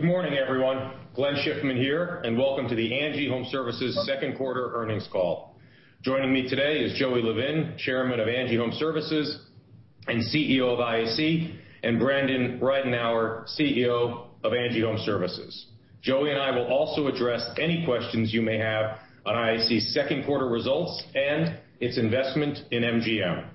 Good morning, everyone. Glenn Schiffman here, and welcome to the ANGI Homeservices second quarter earnings call. Joining me today is Joey Levin, Chairman of ANGI Homeservices and CEO of IAC, and Brandon Ridenour, CEO of ANGI Homeservices. Joey and I will also address any questions you may have on IAC's second quarter results and its investment in MGM.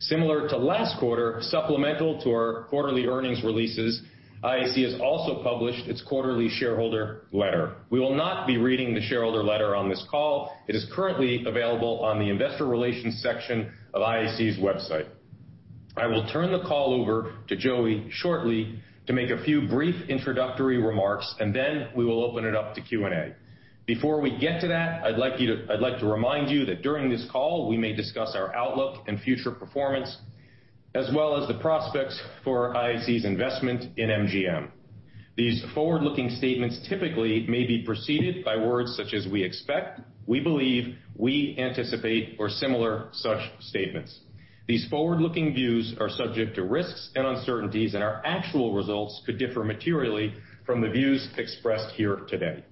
Similar to last quarter, supplemental to our quarterly earnings releases, IAC has also published its quarterly shareholder letter. We will not be reading the shareholder letter on this call. It is currently available on the investor relations section of IAC's website. I will turn the call over to Joey shortly to make a few brief introductory remarks. We will open it up to Q&A. Before we get to that, I'd like to remind you that during this call, we may discuss our outlook and future performance, as well as the prospects for IAC's investment in MGM. These forward-looking statements typically may be preceded by words such as "we expect," "we believe," "we anticipate," or similar such statements. Our actual results could differ materially from the views expressed here today.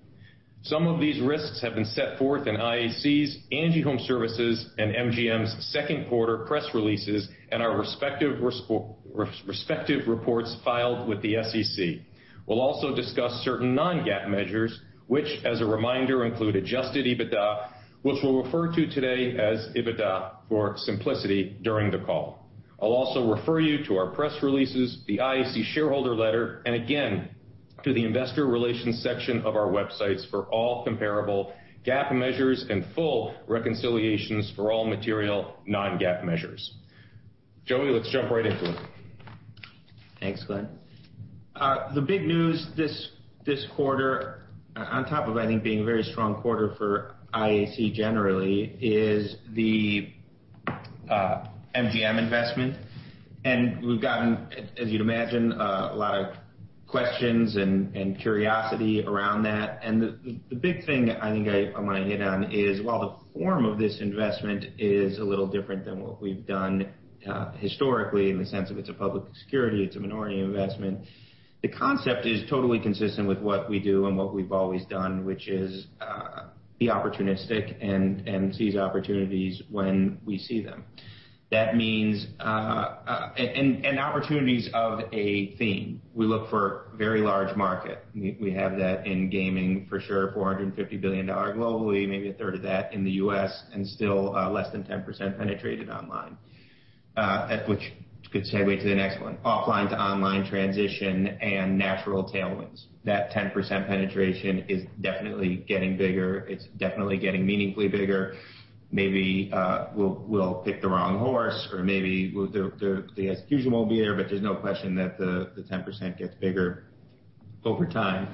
Some of these risks have been set forth in IAC's, ANGI Homeservices, and MGM's second quarter press releases and our respective reports filed with the SEC. We'll also discuss certain non-GAAP measures, which, as a reminder, include adjusted EBITDA, which we'll refer to today as EBITDA for simplicity during the call. I'll also refer you to our press releases, the IAC shareholder letter, and again, to the investor relations section of our websites for all comparable GAAP measures and full reconciliations for all material non-GAAP measures. Joey, let's jump right into it. Thanks, Glenn. The big news this quarter, on top of I think being a very strong quarter for IAC generally, is the MGM investment. We've gotten, as you'd imagine, a lot of questions and curiosity around that. The big thing I think I want to hit on is, while the form of this investment is a little different than what we've done historically in the sense of it's a public security, it's a minority investment, the concept is totally consistent with what we do and what we've always done, which is be opportunistic and seize opportunities when we see them. Opportunities of a theme. We look for very large market. We have that in gaming for sure, $450 billion globally, maybe a third of that in the U.S., and still less than 10% penetrated online. At which, good segue to the next one. Offline to online transition and natural tailwinds. That 10% penetration is definitely getting bigger. It's definitely getting meaningfully bigger. Maybe we'll pick the wrong horse, or maybe the execution won't be there, but there's no question that the 10% gets bigger over time.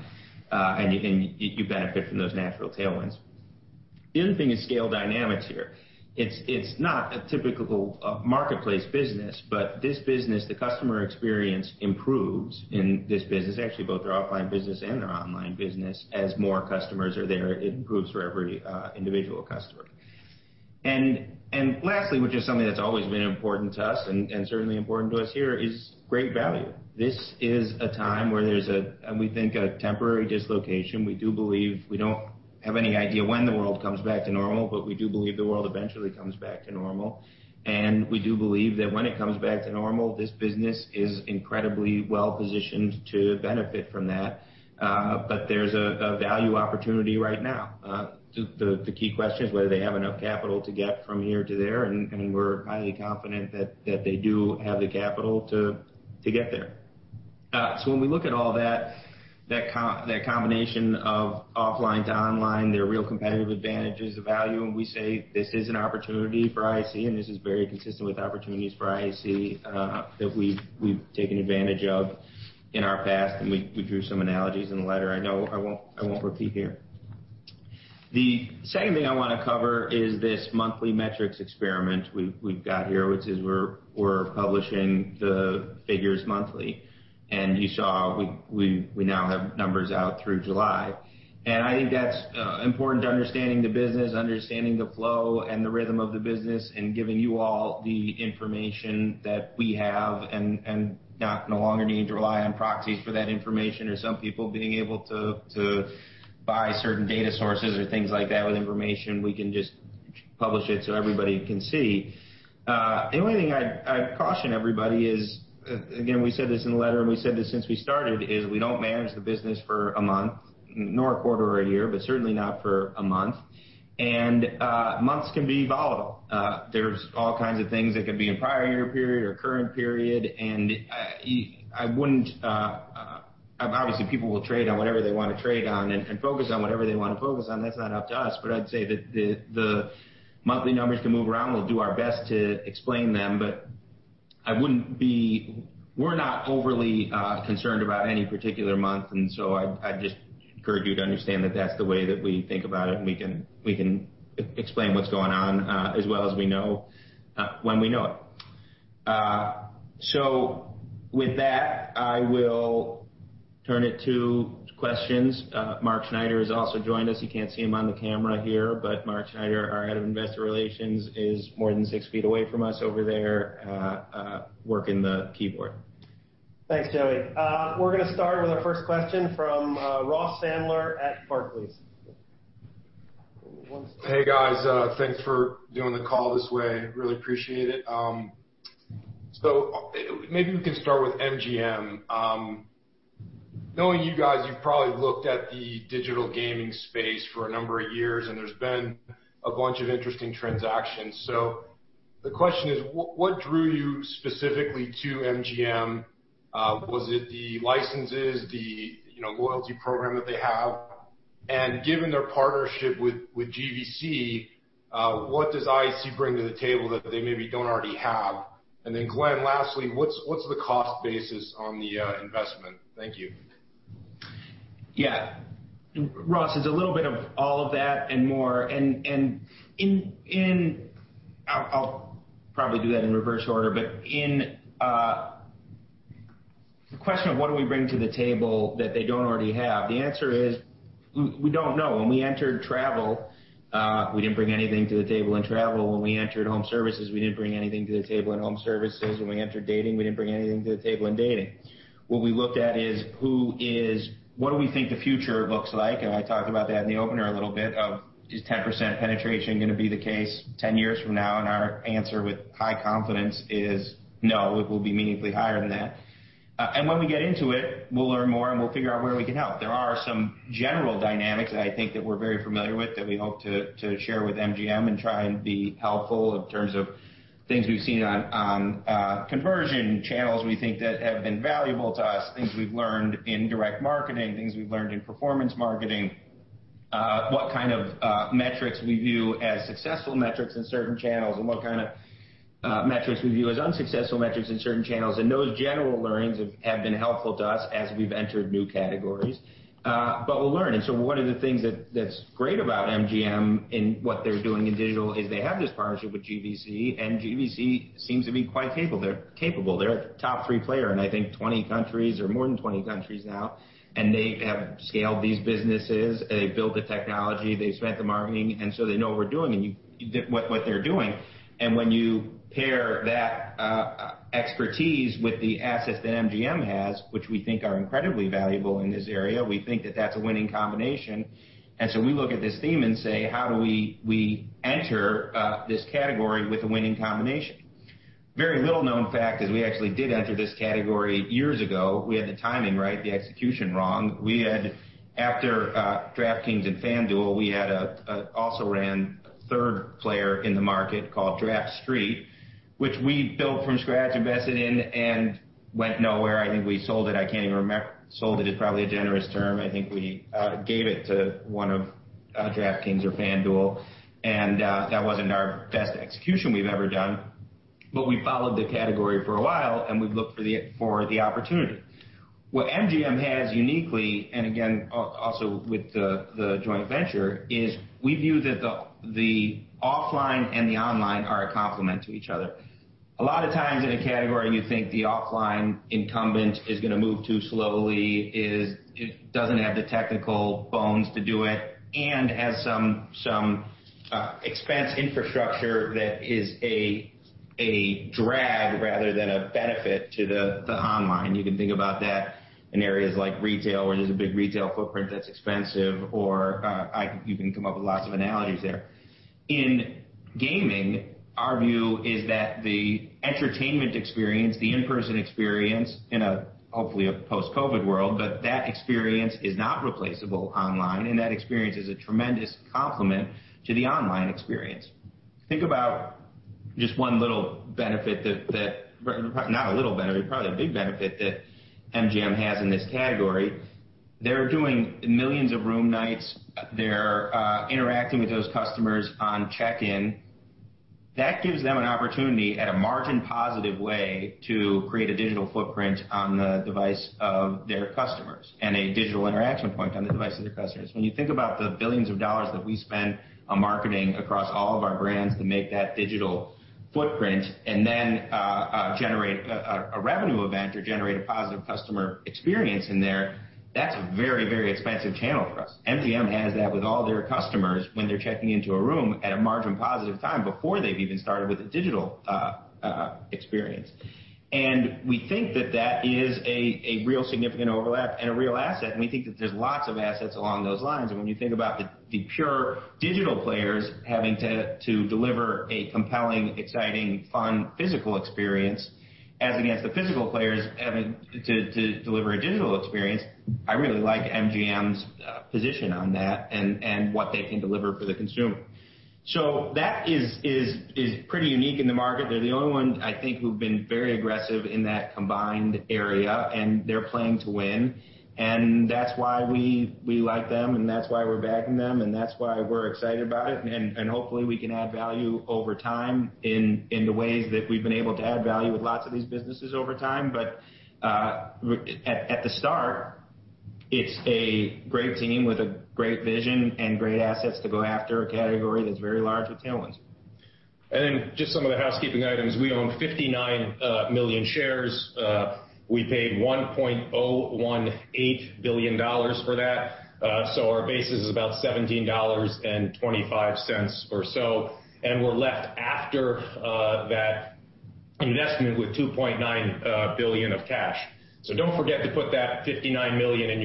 You benefit from those natural tailwinds. The other thing is scale dynamics here. It's not a typical marketplace business, but this business, the customer experience improves in this business. Actually, both their offline business and their online business as more customers are there, it improves for every individual customer. Lastly, which is something that's always been important to us and certainly important to us here, is great value. This is a time where there's a, we think, a temporary dislocation. We don't have any idea when the world comes back to normal, but we do believe the world eventually comes back to normal. We do believe that when it comes back to normal, this business is incredibly well-positioned to benefit from that. There's a value opportunity right now. The key question is whether they have enough capital to get from here to there, and we're highly confident that they do have the capital to get there. When we look at all that combination of offline to online, their real competitive advantages, the value, and we say this is an opportunity for IAC, and this is very consistent with opportunities for IAC that we've taken advantage of in our past, and we drew some analogies in the letter. I know I won't repeat here. The second thing I want to cover is this monthly metrics experiment we've got here, which is we're publishing the figures monthly. You saw we now have numbers out through July. I think that's important to understanding the business, understanding the flow and the rhythm of the business, and giving you all the information that we have and no longer need to rely on proxies for that information or some people being able to buy certain data sources or things like that with information. We can just publish it so everybody can see. The only thing I'd caution everybody is, again, we said this in the letter, and we said this since we started, is we don't manage the business for a month, nor a quarter or a year, but certainly not for a month. Months can be volatile. There's all kinds of things that could be in prior year period or current period, and obviously, people will trade on whatever they want to trade on and focus on whatever they want to focus on. That's not up to us. I'd say that the monthly numbers can move around. We'll do our best to explain them, but we're not overly concerned about any particular month, and so I'd just encourage you to understand that that's the way that we think about it, and we can explain what's going on as well as we know when we know it. With that, I will turn it to questions. Mark Schneider has also joined us. You can't see him on the camera here, but Mark Schneider, our Head of Investor Relations, is more than six feet away from us over there working the keyboard. Thanks, Joey. We're going to start with our first question from Ross Sandler at Barclays. Hey, guys. Thanks for doing the call this way. Really appreciate it. Maybe we can start with MGM. Knowing you guys, you've probably looked at the digital gaming space for a number of years, and there's been a bunch of interesting transactions. The question is, what drew you specifically to MGM? Was it the licenses, the loyalty program that they have? Given their partnership with GVC, what does IAC bring to the table that they maybe don't already have? Then Glenn, lastly, what's the cost basis on the investment? Thank you. Yeah. Ross, it's a little bit of all of that and more. I'll probably do that in reverse order, in the question of what do we bring to the table that they don't already have? The answer is, we don't know. When we entered travel, we didn't bring anything to the table in travel. When we entered home services, we didn't bring anything to the table in home services. When we entered dating, we didn't bring anything to the table in dating. What we looked at is what do we think the future looks like, I talked about that in the opener a little bit, of is 10% penetration going to be the case 10 years from now? Our answer with high confidence is no, it will be meaningfully higher than that. When we get into it, we'll learn more, and we'll figure out where we can help. There are some general dynamics that I think that we're very familiar with, that we hope to share with MGM and try and be helpful in terms of things we've seen on conversion channels we think that have been valuable to us, things we've learned in direct marketing, things we've learned in performance marketing, what kind of metrics we view as successful metrics in certain channels, and what kind of metrics we view as unsuccessful metrics in certain channels. Those general learnings have been helpful to us as we've entered new categories. We'll learn. One of the things that's great about MGM and what they're doing in digital is they have this partnership with GVC, and GVC seems to be quite capable. They're a top three player in, I think, 20 countries or more than 20 countries now. They have scaled these businesses, they've built the technology, they've spent the marketing, they know what they're doing. When you pair that expertise with the assets that MGM has, which we think are incredibly valuable in this area, we think that that's a winning combination. We look at this theme and say, how do we enter this category with a winning combination? Very little-known fact is we actually did enter this category years ago. We had the timing right, the execution wrong. After DraftKings and FanDuel, we had also ran a third player in the market called DraftStreet, which we built from scratch, invested in and went nowhere. I think we sold it. I can't even remember. Sold it is probably a generous term. I think we gave it to one of DraftKings or FanDuel, and that wasn't our best execution we've ever done. We followed the category for a while, and we've looked for the opportunity. What MGM has uniquely, and again, also with the joint venture, is we view that the offline and the online are a complement to each other. A lot of times in a category, you think the offline incumbent is going to move too slowly, it doesn't have the technical bones to do it, and has some expense infrastructure that is a drag rather than a benefit to the online. You can think about that in areas like retail, where there's a big retail footprint that's expensive, or you can come up with lots of analogies there. In gaming, our view is that the entertainment experience, the in-person experience in a, hopefully, a post-COVID world, but that experience is not replaceable online, and that experience is a tremendous complement to the online experience. Think about just one little benefit that Not a little benefit, probably a big benefit that MGM has in this category. They're doing millions of room nights. They're interacting with those customers on check-in. That gives them an opportunity at a margin positive way to create a digital footprint on the device of their customers and a digital interaction point on the device of their customers. When you think about the billions of dollars that we spend on marketing across all of our brands to make that digital footprint and then generate a revenue event or generate a positive customer experience in there, that's a very, very expensive channel for us. MGM has that with all their customers when they're checking into a room at a margin positive time before they've even started with a digital experience. We think that that is a real significant overlap and a real asset, and we think that there's lots of assets along those lines. When you think about the pure digital players having to deliver a compelling, exciting, fun, physical experience as against the physical players having to deliver a digital experience, I really like MGM's position on that and what they can deliver for the consumer. That is pretty unique in the market. They're the only ones, I think, who've been very aggressive in that combined area, and they're playing to win. That's why we like them, and that's why we're backing them, and that's why we're excited about it. Hopefully, we can add value over time in the ways that we've been able to add value with lots of these businesses over time. At the start, it's a great team with a great vision and great assets to go after a category that's very large and tailwind. Just some of the housekeeping items. We own 59 million shares. We paid $1.018 billion for that. Our base is about $17.25 or so, and we're left after that- Estimate with $2.9 billion of cash. Don't forget to put that 59 million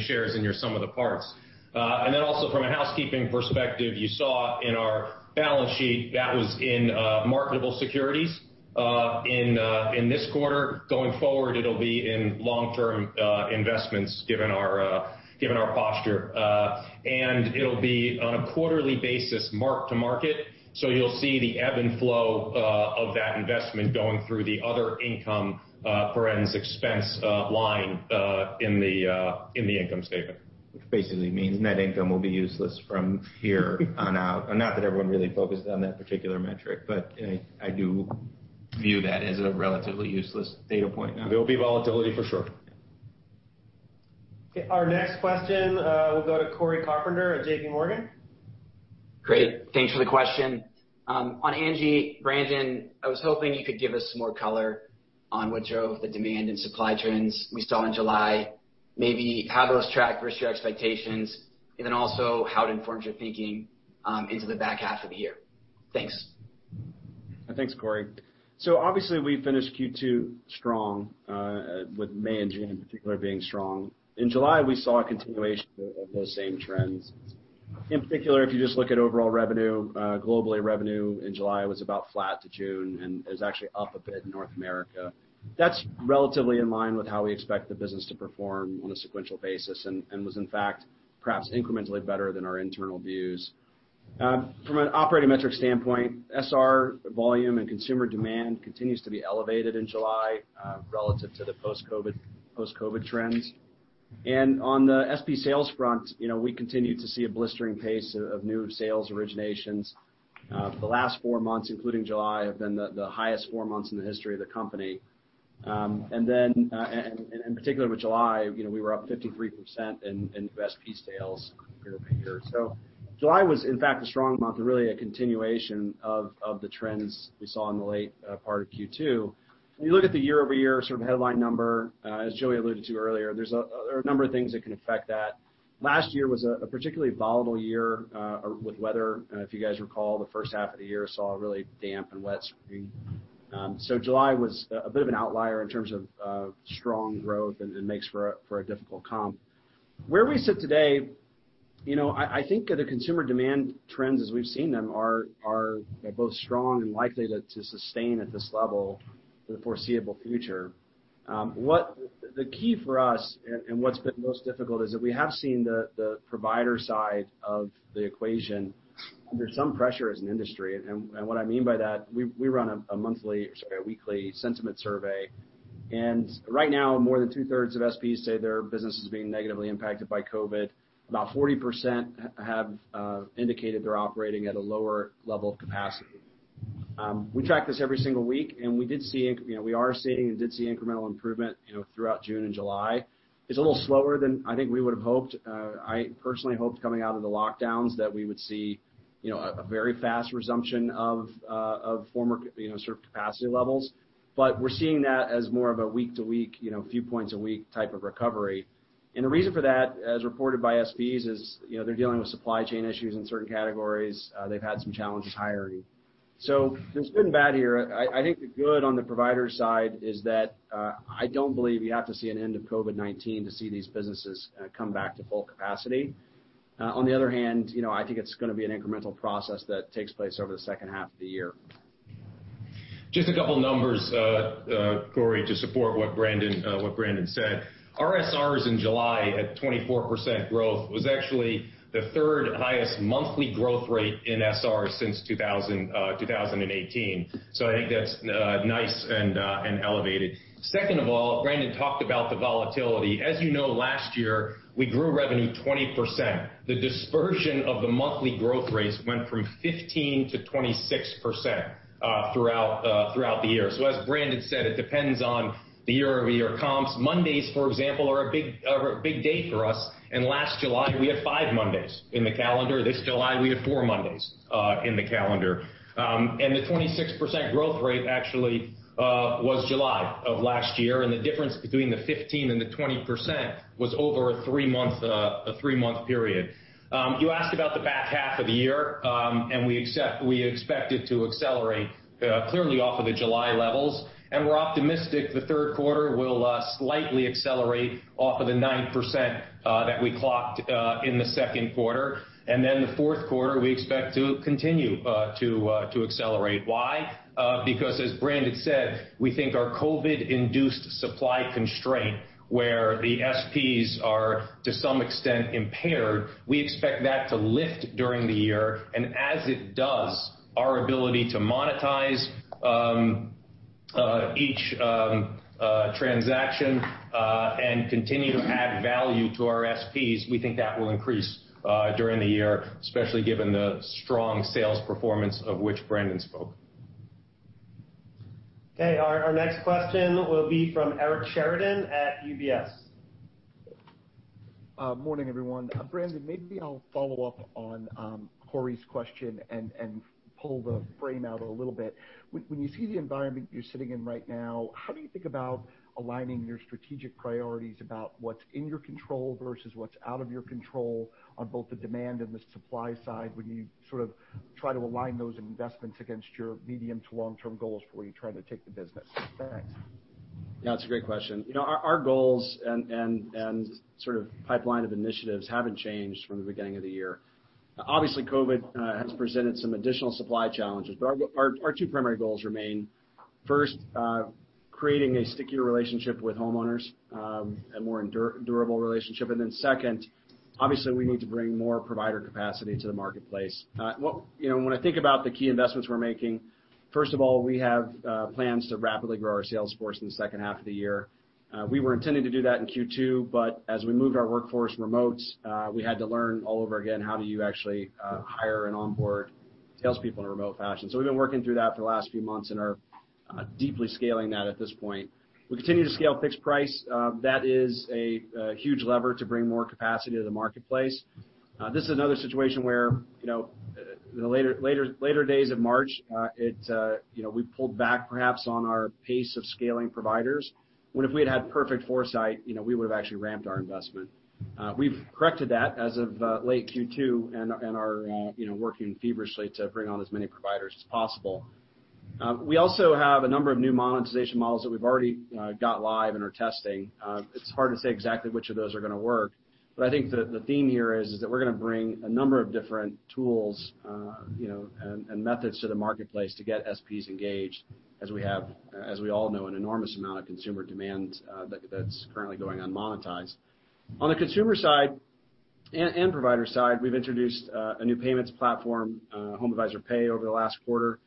shares in your sum of the parts. Also from a housekeeping perspective, you saw in our balance sheet that was in marketable securities in this quarter. Going forward, it'll be in long-term investments given our posture. It'll be on a quarterly basis mark-to-market, you'll see the ebb and flow of that investment going through the other income forensic expense line in the income statement. Which basically means net income will be useless from here on out. Not that everyone really focused on that particular metric, but I do view that as a relatively useless data point now. There'll be volatility for sure. Okay, our next question will go to Cory Carpenter at JPMorgan. Great. Thanks for the question. On ANGI, Brandon, I was hoping you could give us some more color on what drove the demand and supply trends we saw in July, maybe how those track versus your expectations, and then also how it informs your thinking into the back half of the year. Thanks. Thanks, Cory. Obviously we finished Q2 strong, with May and June in particular being strong. In July, we saw a continuation of those same trends. In particular, if you just look at overall revenue, globally revenue in July was about flat to June and is actually up a bit in North America. That's relatively in line with how we expect the business to perform on a sequential basis and was in fact perhaps incrementally better than our internal views. From an operating metric standpoint, SR volume and consumer demand continues to be elevated in July relative to the post-COVID-19 trends. On the SP sales front, we continue to see a blistering pace of new sales originations. The last four months, including July, have been the highest four months in the history of the company. In particular with July, we were up 53% in SP sales year-over-year. July was in fact a strong month and really a continuation of the trends we saw in the late part of Q2. When you look at the year-over-year headline number, as Joey alluded to earlier, there are a number of things that can affect that. Last year was a particularly volatile year with weather. If you guys recall, the first half of the year saw a really damp and wet spring. July was a bit of an outlier in terms of strong growth and makes for a difficult comp. Where we sit today, I think the consumer demand trends as we've seen them are both strong and likely to sustain at this level for the foreseeable future. The key for us, and what's been most difficult, is that we have seen the provider side of the equation under some pressure as an industry, and what I mean by that, we run a weekly sentiment survey, and right now more than two-thirds of SPs say their business is being negatively impacted by COVID-19. About 40% have indicated they're operating at a lower level of capacity. We track this every single week, and we are seeing, and did see incremental improvement throughout June and July. It's a little slower than I think we would've hoped. I personally hoped coming out of the lockdowns that we would see a very fast resumption of former sort of capacity levels. We're seeing that as more of a week to week, few points a week type of recovery. The reason for that, as reported by SPs, is they're dealing with supply chain issues in certain categories. They've had some challenges hiring. There's good and bad here. I think the good on the provider side is that I don't believe you have to see an end of COVID-19 to see these businesses come back to full capacity. On the other hand, I think it's going to be an incremental process that takes place over the second half of the year. Just a couple numbers, Cory, to support what Brandon said. Our SRs in July at 24% growth was actually the third highest monthly growth rate in SR since 2018. I think that's nice and elevated. Second of all, Brandon talked about the volatility. As you know, last year we grew revenue 20%. The dispersion of the monthly growth rates went from 15%-26% throughout the year. As Brandon said, it depends on the year-over-year comps. Mondays, for example, are a big day for us, and last July we had 5 Mondays in the calendar. This July we had four Mondays in the calendar. The 26% growth rate actually was July of last year and the difference between the 15% and the 20% was over a three-month period. You asked about the back half of the year. We expect it to accelerate clearly off of the July levels. We're optimistic the third quarter will slightly accelerate off of the 9% that we clocked in the second quarter. The fourth quarter we expect to continue to accelerate. Why? Because, as Brandon said, we think our COVID-19 induced supply constraint, where the SPs are to some extent impaired, we expect that to lift during the year. As it does, our ability to monetize each transaction and continue to add value to our SPs, we think that will increase during the year, especially given the strong sales performance of which Brandon spoke. Okay, our next question will be from Eric Sheridan at UBS. Morning, everyone. Brandon, maybe I'll follow up on Cory's question and pull the frame out a little bit. When you see the environment you're sitting in right now, how do you think about aligning your strategic priorities about what's in your control versus what's out of your control on both the demand and the supply side when you sort of try to align those investments against your medium to long-term goals for where you're trying to take the business? Thanks. It's a great question. Our goals and sort of pipeline of initiatives haven't changed from the beginning of the year. Obviously, COVID-19 has presented some additional supply challenges, but our two primary goals remain. First, creating a stickier relationship with homeowners, a more durable relationship. Second, obviously, we need to bring more provider capacity to the marketplace. When I think about the key investments we're making, first of all, we have plans to rapidly grow our sales force in the second half of the year. We were intending to do that in Q2, but as we moved our workforce remote, we had to learn all over again how do you actually hire and onboard salespeople in a remote fashion. We've been working through that for the last few months and are deeply scaling that at this point. We continue to scale fixed price. That is a huge lever to bring more capacity to the marketplace. This is another situation where, in the later days of March, we pulled back perhaps on our pace of scaling providers, when if we had had perfect foresight, we would've actually ramped our investment. We've corrected that as of late Q2 and are working feverishly to bring on as many providers as possible. We also have a number of new monetization models that we've already got live and are testing. It's hard to say exactly which of those are gonna work, but I think the theme here is that we're gonna bring a number of different tools and methods to the marketplace to get SPs engaged, as we all know, an enormous amount of consumer demand that's currently going unmonetized. On the consumer side and provider side, we've introduced a new payments platform, HomeAdvisor Pay, over the last quarter.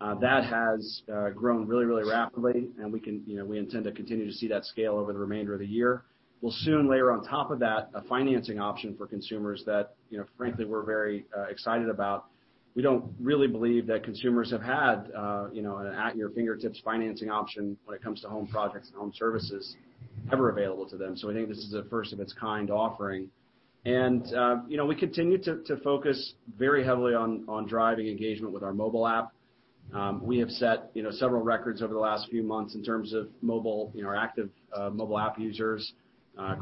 That has grown really rapidly, and we intend to continue to see that scale over the remainder of the year. We'll soon layer on top of that a financing option for consumers that, frankly, we're very excited about. We don't really believe that consumers have had an at-your-fingertips financing option when it comes to home projects and home services ever available to them. We think this is a first-of-its-kind offering. We continue to focus very heavily on driving engagement with our mobile app. We have set several records over the last few months in terms of our active mobile app users,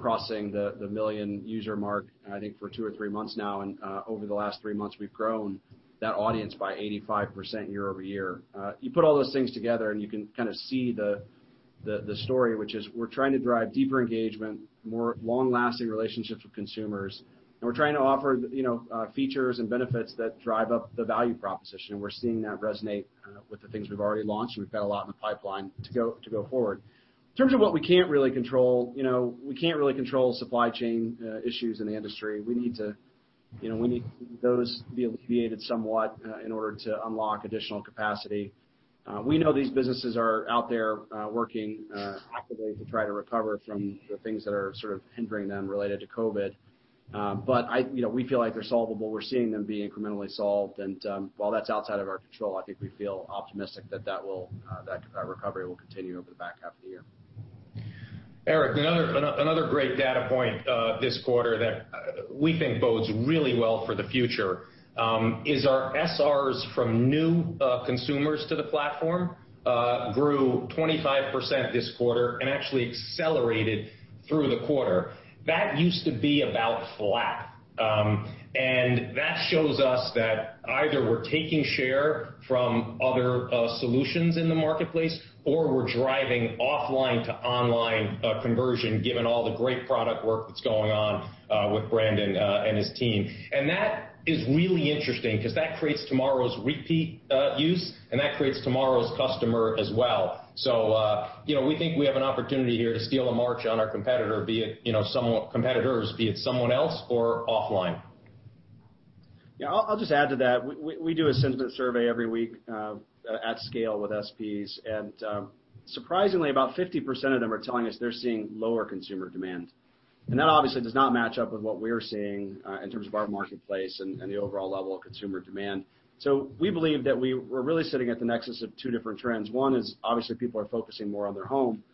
crossing the million-user mark, I think, for two or three months now. Over the last three months, we've grown that audience by 85% year-over-year. You put all those things together and you can kind of see the story, which is we're trying to drive deeper engagement, more long-lasting relationships with consumers. We're trying to offer features and benefits that drive up the value proposition, and we're seeing that resonate with the things we've already launched, and we've got a lot in the pipeline to go forward. In terms of what we can't really control, we can't really control supply chain issues in the industry. We need those to be alleviated somewhat in order to unlock additional capacity. We know these businesses are out there working actively to try to recover from the things that are sort of hindering them related to COVID. We feel like they're solvable. We're seeing them be incrementally solved. While that's outside of our control, I think we feel optimistic that recovery will continue over the back half of the year. Eric, another great data point this quarter that we think bodes really well for the future is our SRs from new consumers to the platform grew 25% this quarter and actually accelerated through the quarter. That used to be about flat. That shows us that either we're taking share from other solutions in the marketplace or we're driving offline-to-online conversion given all the great product work that's going on with Brandon and his team. That is really interesting because that creates tomorrow's repeat use and that creates tomorrow's customer as well. We think we have an opportunity here to steal a march on our competitors, be it someone else or offline. Yeah, I'll just add to that. We do a sentiment survey every week at scale with SPs, surprisingly, about 50% of them are telling us they're seeing lower consumer demand. That obviously does not match up with what we're seeing in terms of our marketplace and the overall level of consumer demand. We believe that we're really sitting at the nexus of two different trends. One is obviously people are focusing more on their home.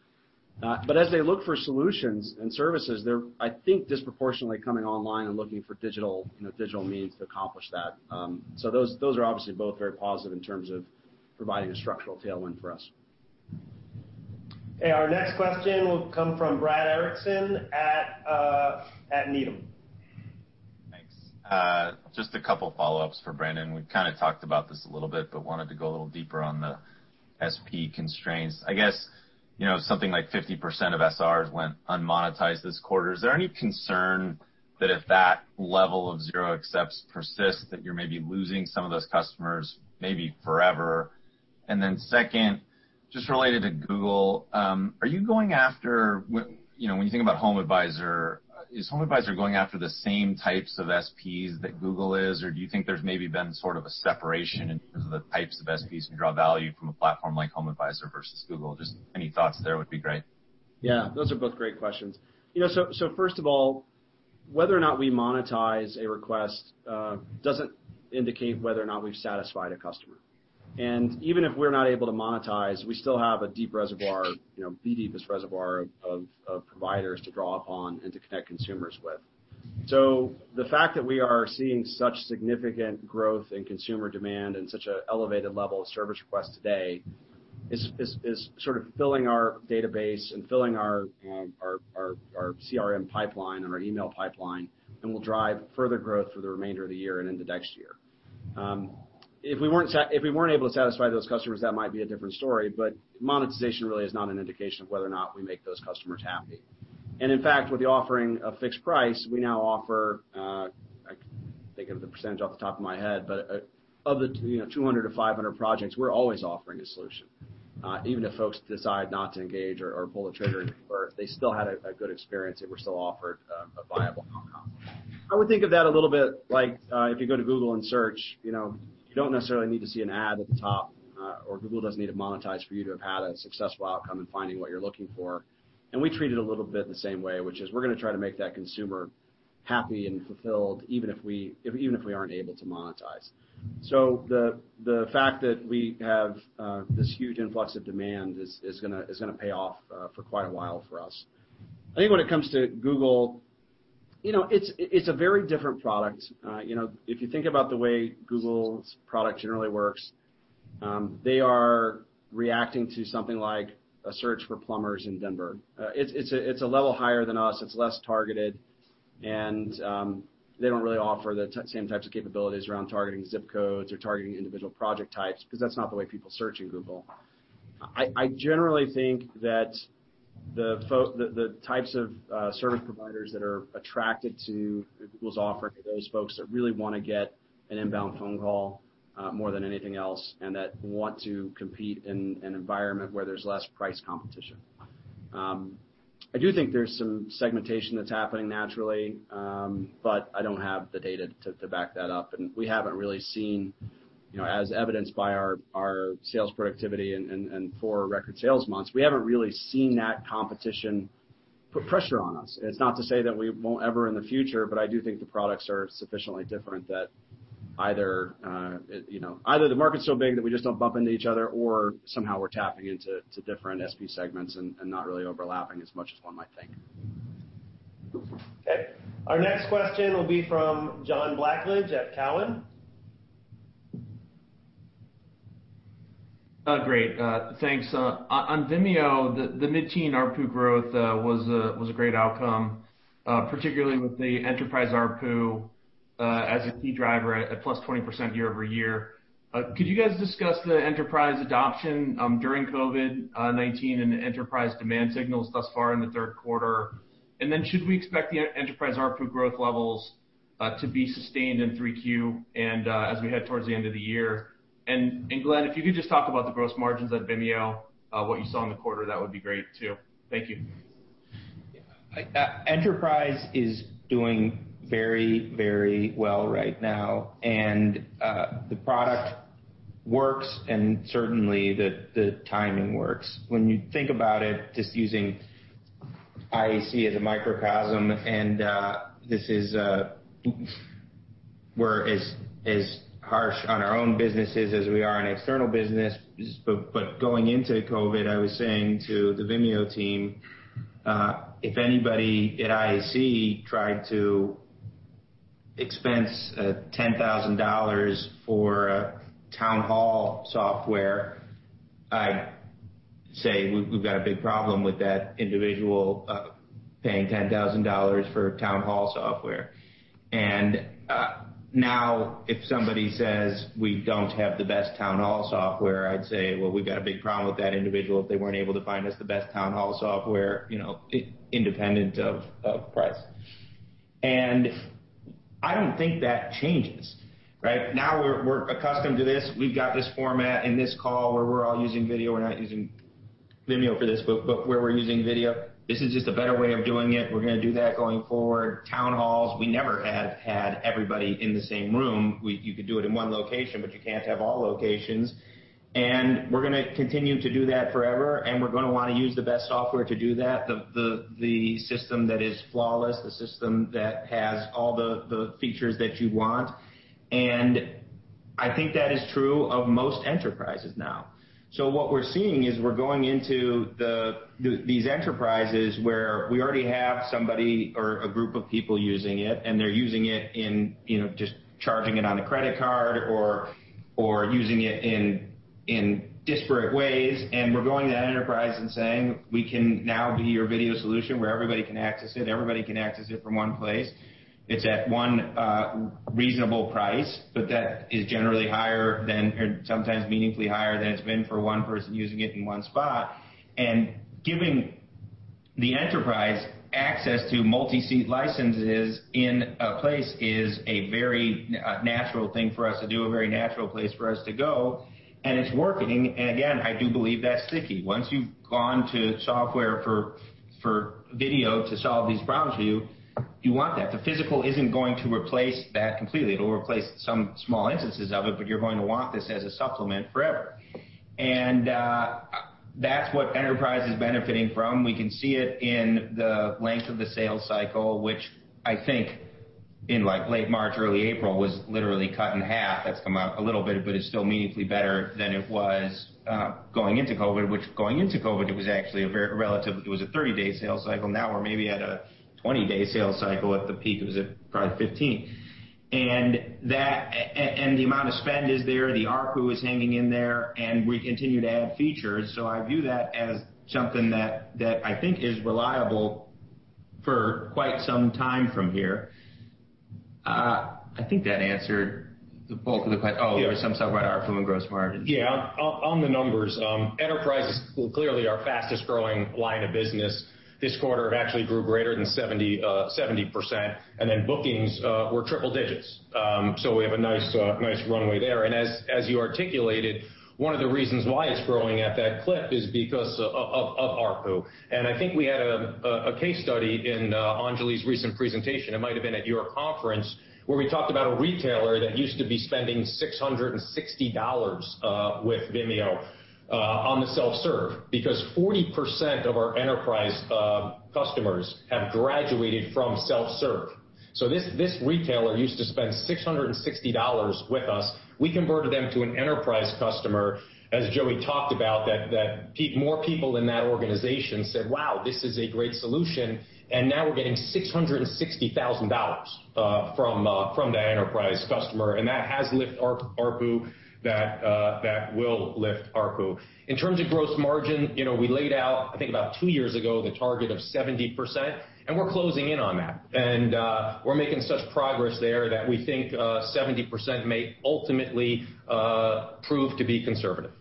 As they look for solutions and services, they're, I think, disproportionately coming online and looking for digital means to accomplish that. Those are obviously both very positive in terms of providing a structural tailwind for us. Okay, our next question will come from Brad Erickson at Needham. Thanks. Just a couple follow-ups for Brandon. We've kind of talked about this a little bit but wanted to go a little deeper on the SP constraints. I guess, something like 50% of SRs went unmonetized this quarter. Is there any concern that if that level of zero accepts persists, that you're maybe losing some of those customers, maybe forever? Second, just related to Google, when you think about HomeAdvisor, is HomeAdvisor going after the same types of SPs that Google is, or do you think there's maybe been sort of a separation in terms of the types of SPs who draw value from a platform like HomeAdvisor versus Google? Just any thoughts there would be great. Those are both great questions. First of all, whether or not we monetize a request doesn't indicate whether or not we've satisfied a customer. Even if we're not able to monetize, we still have a deep reservoir, the deepest reservoir of providers to draw upon and to connect consumers with. The fact that we are seeing such significant growth in consumer demand and such an elevated level of service requests today is sort of filling our database and filling our CRM pipeline or our email pipeline and will drive further growth through the remainder of the year and into next year. If we weren't able to satisfy those customers, that might be a different story. Monetization really is not an indication of whether or not we make those customers happy. In fact, with the offering of fixed price, we now offer, I can't think of the percentage off the top of my head, but of the 200-500 projects, we're always offering a solution. Even if folks decide not to engage or pull the trigger, they still had a good experience. They were still offered a viable outcome. I would think of that a little bit like, if you go to Google and search, you don't necessarily need to see an ad at the top, or Google doesn't need to monetize for you to have had a successful outcome in finding what you're looking for. We treat it a little bit the same way, which is we're going to try to make that consumer happy and fulfilled, even if we aren't able to monetize. The fact that we have this huge influx of demand is going to pay off for quite a while for us. I think when it comes to Google, it's a very different product. If you think about the way Google's product generally works, they are reacting to something like a search for plumbers in Denver. It's a level higher than us. It's less targeted, and they don't really offer the same types of capabilities around targeting zip codes or targeting individual project types, because that's not the way people search in Google. I generally think that the types of service providers that are attracted to Google's offering are those folks that really want to get an inbound phone call more than anything else, and that want to compete in an environment where there's less price competition. I do think there's some segmentation that's happening naturally. I don't have the data to back that up. We haven't really seen, as evidenced by our sales productivity and four record sales months, we haven't really seen that competition put pressure on us. It's not to say that we won't ever in the future. I do think the products are sufficiently different that either the market's so big that we just don't bump into each other, or somehow we're tapping into different SP segments and not really overlapping as much as one might think. Okay. Our next question will be from John Blackledge at Cowen. Great, thanks. On Vimeo, the mid-teen ARPU growth was a great outcome, particularly with the enterprise ARPU as a key driver at plus 20% year-over-year. Could you guys discuss the enterprise adoption during COVID-19 and the enterprise demand signals thus far in the third quarter? Should we expect the enterprise ARPU growth levels to be sustained in 3Q and as we head towards the end of the year? Glenn, if you could just talk about the gross margins at Vimeo, what you saw in the quarter, that would be great, too. Thank you. Enterprise is doing very well right now, and the product works and certainly the timing works. When you think about it, just using IAC as a microcosm, and we're as harsh on our own businesses as we are on external businesses, but going into COVID, I was saying to the Vimeo team, if anybody at IAC tried to expense $10,000 for a town hall software, I'd say we've got a big problem with that individual paying $10,000 for town hall software. Now if somebody says, "We don't have the best town hall software," I'd say, "Well, we've got a big problem with that individual if they weren't able to find us the best town hall software, independent of price." I don't think that changes, right? Now we're accustomed to this. We've got this format and this call where we're all using video. We're not using Vimeo for this, but where we're using video, this is just a better way of doing it. We're going to do that going forward. Town halls, we never have had everybody in the same room. You could do it in one location, but you can't have all locations. We're going to continue to do that forever, and we're going to want to use the best software to do that, the system that is flawless, the system that has all the features that you want. I think that is true of most enterprises now. What we're seeing is we're going into these enterprises where we already have somebody or a group of people using it, and they're using it in just charging it on a credit card or using it in disparate ways. We're going to that enterprise and saying, "We can now be your video solution where everybody can access it. Everybody can access it from one place." It's at one reasonable price, but that is generally higher than, or sometimes meaningfully higher than it's been for one person using it in one spot. Giving the enterprise access to multi-seat licenses in a place is a very natural thing for us to do, a very natural place for us to go, and it's working. Again, I do believe that's sticky. Once you've gone to software for video to solve these problems for you want that. The physical isn't going to replace that completely. It'll replace some small instances of it, but you're going to want this as a supplement forever. That's what enterprise is benefiting from. We can see it in the length of the sales cycle, which I think in like late March, early April, was literally cut in half. That's come out a little bit, but it's still meaningfully better than it was going into COVID-19, which going into COVID-19, it was a 30-day sales cycle. Now we're maybe at a 20-day sales cycle. At the peak, it was at probably 15. The amount of spend is there, the ARPU is hanging in there, and we continue to add features. I view that as something that I think is reliable For quite some time from here. I think that answered the bulk of the question. Yeah There's some stuff about ARPU and gross margin. Yeah. On the numbers, Enterprise is clearly our fastest-growing line of business. This quarter it actually grew greater than 70%, and then bookings were triple digits. We have a nice runway there. As you articulated, one of the reasons why it's growing at that clip is because of ARPU. I think we had a case study in Anjali's recent presentation, it might've been at your conference, where we talked about a retailer that used to be spending $660 with Vimeo on the self-serve, because 40% of our Enterprise customers have graduated from self-serve. This retailer used to spend $660 with us. We converted them to an Enterprise customer, as Joey talked about, that more people in that organization said, "Wow, this is a great solution." Now we're getting $660,000 from that Enterprise customer, and that has lift ARPU, that will lift ARPU. In terms of gross margin, we laid out, I think about two years ago, the target of 70%, and we're closing in on that. We're making such progress there that we think 70% may ultimately prove to be conservative.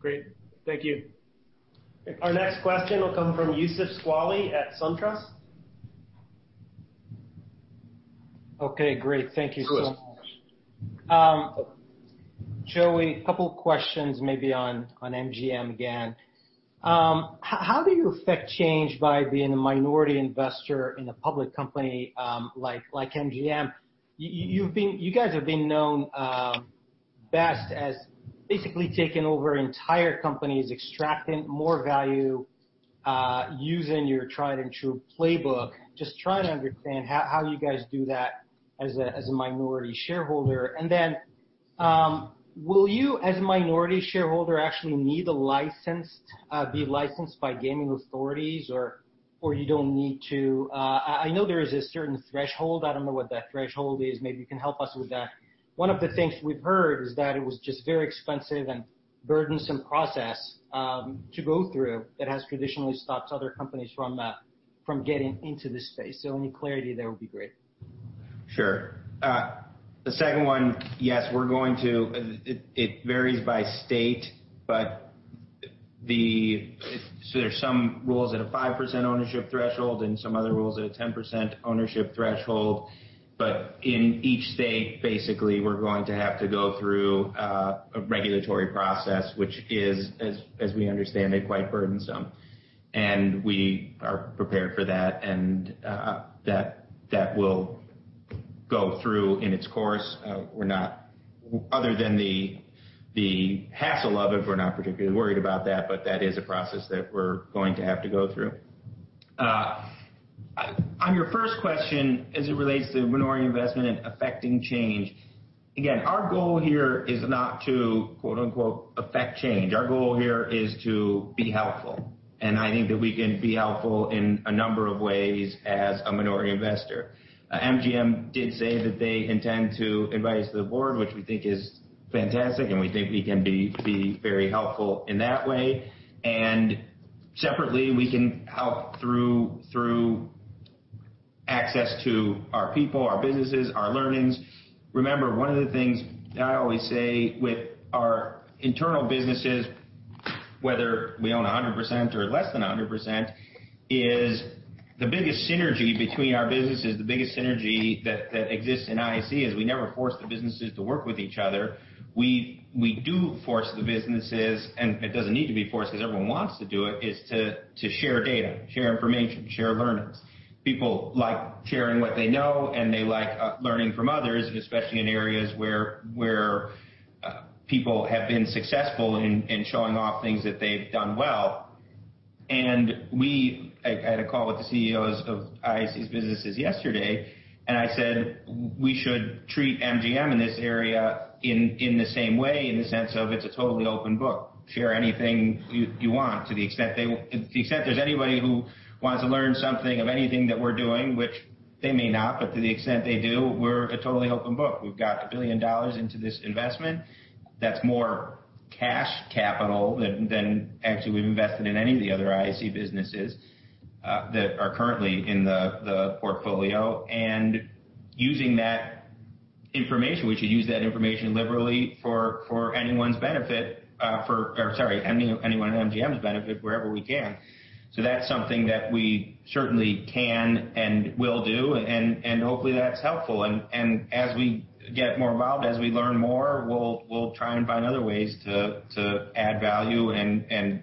Great. Thank you. Our next question will come from Youssef Squali at SunTrust. Okay, great. Thank you so much. Good. Joey, couple questions maybe on MGM again. How do you affect change by being a minority investor in a public company like MGM? You guys have been known best as basically taking over entire companies, extracting more value, using your tried and true playbook. Trying to understand how you guys do that as a minority shareholder. Will you, as a minority shareholder, actually need a license, be licensed by gaming authorities or you don't need to? I know there is a certain threshold. I don't know what that threshold is. Maybe you can help us with that. One of the things we've heard is that it was just very expensive and burdensome process to go through that has traditionally stopped other companies from getting into this space. Any clarity there would be great. Sure. The second one, yes. It varies by state, there's some rules at a 5% ownership threshold and some other rules at a 10% ownership threshold. In each state, basically, we're going to have to go through a regulatory process, which is, as we understand, quite burdensome. We are prepared for that, and that will go through in its course. Other than the hassle of it, we're not particularly worried about that, but that is a process that we're going to have to go through. On your first question as it relates to minority investment and affecting change, again, our goal here is not to, quote-unquote, "affect change." Our goal here is to be helpful, and I think that we can be helpful in a number of ways as a minority investor. MGM did say that they intend to invite us to the board, which we think is fantastic, and we think we can be very helpful in that way. Separately, we can help through access to our people, our businesses, our learnings. Remember, one of the things that I always say with our internal businesses, whether we own 100% or less than 100%, is the biggest synergy between our businesses, the biggest synergy that exists in IAC, is we never force the businesses to work with each other. We do force the businesses, and it doesn't need to be forced because everyone wants to do it, is to share data, share information, share learnings. People like sharing what they know, and they like learning from others, and especially in areas where people have been successful in showing off things that they've done well. I had a call with the CEOs of IAC's businesses yesterday, I said we should treat MGM in this area in the same way, in the sense of it's a totally open book. Share anything you want to the extent there's anybody who wants to learn something of anything that we're doing, which they may not, but to the extent they do, we're a totally open book. We've got $1 billion into this investment. That's more cash capital than actually we've invested in any of the other IAC businesses that are currently in the portfolio. Using that information, we should use that information liberally for anyone's benefit, or, sorry, anyone at MGM's benefit wherever we can. That's something that we certainly can and will do, and hopefully that's helpful. As we get more involved, as we learn more, we'll try and find other ways to add value and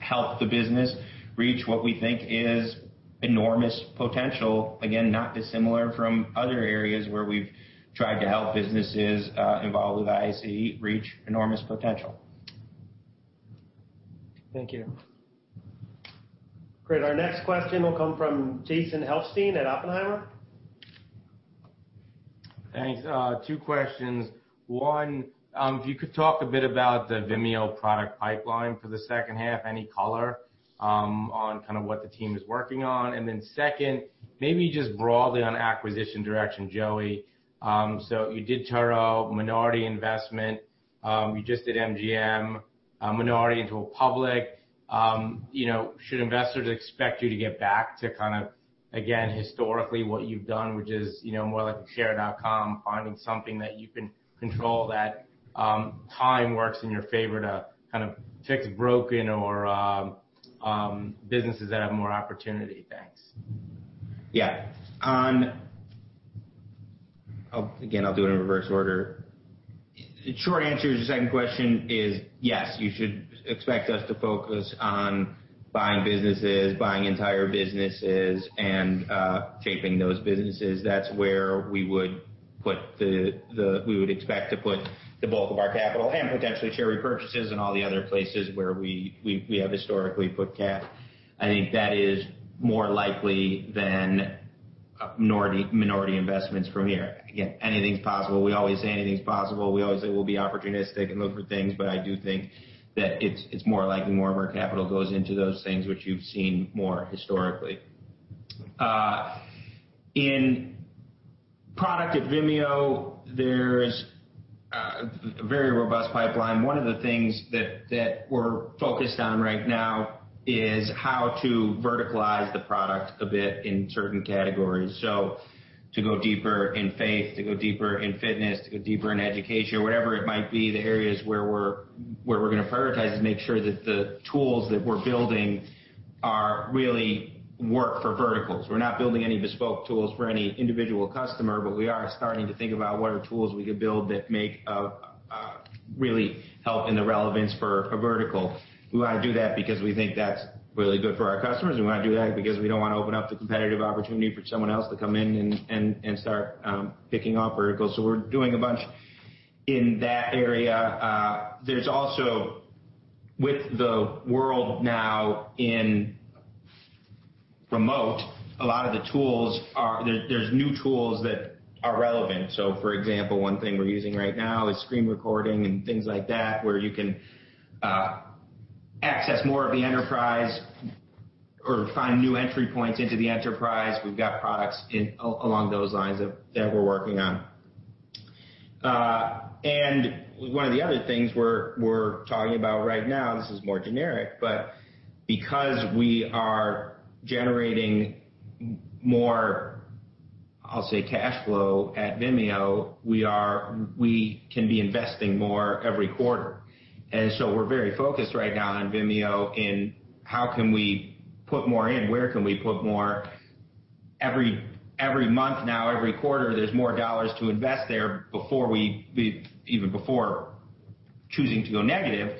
help the business reach what we think is enormous potential. Again, not dissimilar from other areas where we've tried to help businesses involved with IAC reach enormous potential. Thank you. Great. Our next question will come from Jason Helfstein at Oppenheimer. Thanks. Two questions. One, if you could talk a bit about the Vimeo product pipeline for the second half. Any color on kind of what the team is working on? Second, maybe just broadly on acquisition direction, Joey. You did Turo, minority investment. You just did MGM, minority into a public. Should investors expect you to get back to kind of, again, historically what you've done, which is more like a Care.com, finding something that you can control, that time works in your favor to kind of fix broken or businesses that have more opportunity. Thanks. Yeah. Again, I'll do it in reverse order. The short answer to your second question is yes, you should expect us to focus on buying businesses, buying entire businesses, and shaping those businesses. That's where we would expect to put the bulk of our capital and potentially share repurchases and all the other places where we have historically put cap. I think that is more likely than minority investments from here. Again, anything's possible. We always say anything's possible. We always say we'll be opportunistic and look for things, but I do think that it's more likely more of our capital goes into those things which you've seen more historically. In product at Vimeo, there's a very robust pipeline. One of the things that we're focused on right now is how to verticalize the product a bit in certain categories. To go deeper in faith, to go deeper in fitness, to go deeper in education, or whatever it might be, the areas where we're going to prioritize is make sure that the tools that we're building really work for verticals. We're not building any bespoke tools for any individual customer, but we are starting to think about what are tools we could build that really help in the relevance for a vertical. We want to do that because we think that's really good for our customers. We want to do that because we don't want to open up the competitive opportunity for someone else to come in and start picking off verticals. We're doing a bunch in that area. There's also, with the world now in remote, new tools that are relevant. For example, one thing we're using right now is screen recording and things like that, where you can access more of the enterprise or find new entry points into the enterprise. We've got products along those lines that we're working on. One of the other things we're talking about right now, this is more generic, but because we are generating more, I'll say, cash flow at Vimeo, we can be investing more every quarter. We're very focused right now on Vimeo and how can we put more in, where can we put more? Every month now, every quarter, there's more dollars to invest there even before choosing to go negative.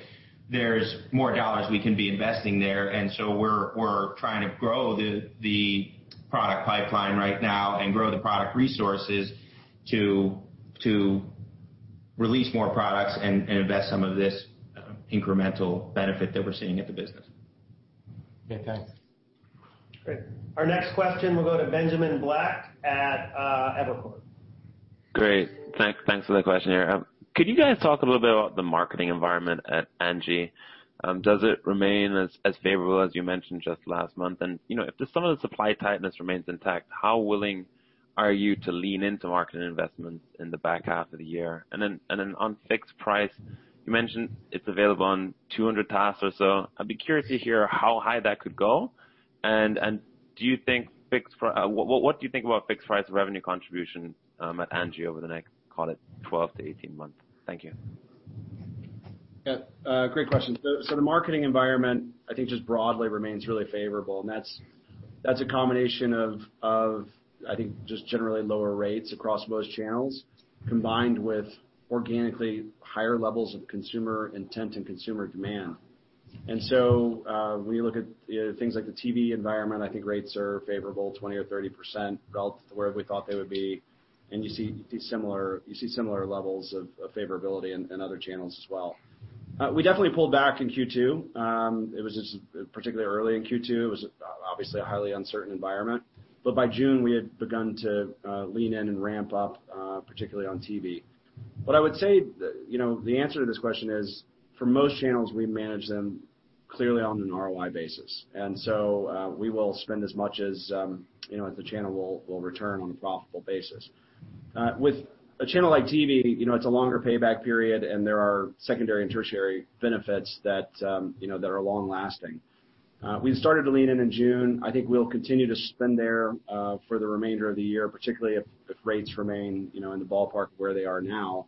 There's more dollars we can be investing there. We're trying to grow the product pipeline right now and grow the product resources to release more products and invest some of this incremental benefit that we're seeing at the business. Okay, thanks. Great. Our next question will go to Benjamin Black at Evercore. Great. Thanks for the question here. Could you guys talk a little bit about the marketing environment at ANGI? Does it remain as favorable as you mentioned just last month? If some of the supply tightness remains intact, how willing are you to lean into marketing investments in the back half of the year? On fixed price, you mentioned it's available on 200 tasks or so. I'd be curious to hear how high that could go, and what do you think about fixed price revenue contribution at ANGI over the next, call it, 12 to 18 months? Thank you. Yeah. Great question. The marketing environment, I think, just broadly remains really favorable, and that's a combination of, I think, just generally lower rates across most channels combined with organically higher levels of consumer intent and consumer demand. When you look at things like the TV environment, I think rates are favorable 20% or 30% relative to where we thought they would be, and you see similar levels of favorability in other channels as well. We definitely pulled back in Q2. It was just particularly early in Q2. It was obviously a highly uncertain environment. By June, we had begun to lean in and ramp up, particularly on TV. What I would say, the answer to this question is for most channels, we manage them clearly on an ROI basis. We will spend as much as the channel will return on a profitable basis. With a channel like TV, it's a longer payback period and there are secondary and tertiary benefits that are long-lasting. We started to lean in in June. I think we'll continue to spend there for the remainder of the year, particularly if rates remain in the ballpark of where they are now.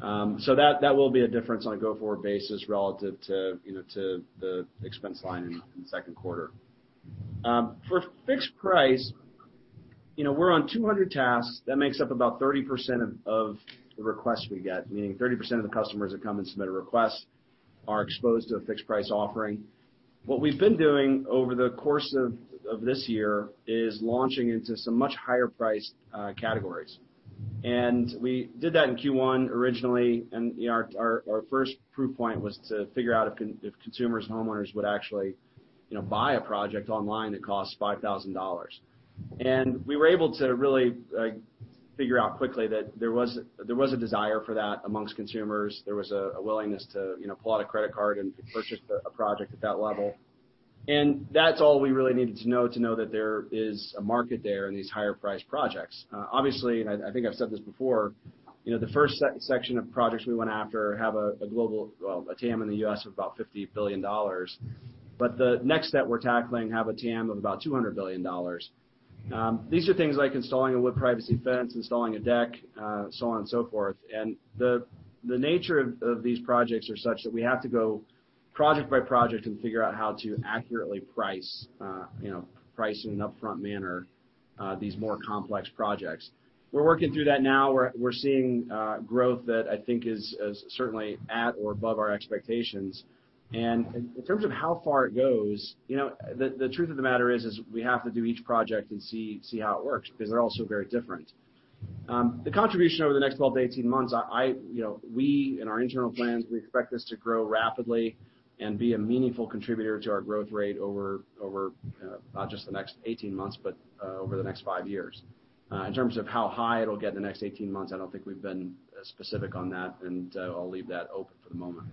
That will be a difference on a go-forward basis relative to the expense line in the second quarter. For fixed price, we're on 200 tasks. That makes up about 30% of the requests we get, meaning 30% of the customers that come and submit a request are exposed to a fixed price offering. What we've been doing over the course of this year is launching into some much higher-priced categories. We did that in Q1 originally, our first proof point was to figure out if consumers, homeowners would actually buy a project online that costs $5,000. We were able to really figure out quickly that there was a desire for that amongst consumers. There was a willingness to pull out a credit card and purchase a project at that level. That's all we really needed to know to know that there is a market there in these higher-priced projects. Obviously, I think I've said this before, the first section of projects we went after have a TAM in the U.S. of about $50 billion. The next set we're tackling have a TAM of about $200 billion. These are things like installing a wood privacy fence, installing a deck, so on and so forth. The nature of these projects are such that we have to go project by project and figure out how to accurately price in an upfront manner these more complex projects. We're working through that now. We're seeing growth that I think is certainly at or above our expectations. In terms of how far it goes, the truth of the matter is we have to do each project and see how it works, because they're all so very different. The contribution over the next 12 months-18 months, we, in our internal plans, we expect this to grow rapidly and be a meaningful contributor to our growth rate over not just the next 18 months, but over the next five years. In terms of how high it'll get in the next 18 months, I don't think we've been specific on that, and I'll leave that open for the moment.